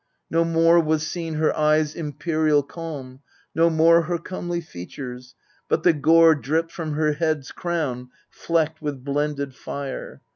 No more was seen her eyes' imperial calm, No more her comely features ; but the gore Dripped from her head's crown flecked with blended fire.